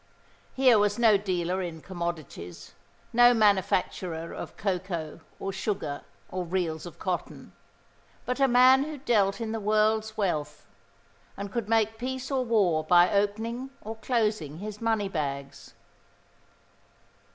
Here was no dealer in commodities, no manufacturer of cocoa, or sugar, or reels of cotton, but a man who dealt in the world's wealth, and could make peace or war by opening or closing his money bags.